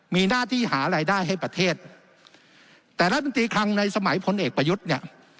มีหน้าที่หารายได้ให้ประเทศแต่รัฐมนตรีคลังในสมัยพลเอกประยุทธ์เนี่ย